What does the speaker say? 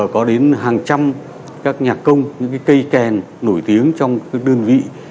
có đến hàng trăm các nhạc công những cái cây kèn nổi tiếng trong các đơn vị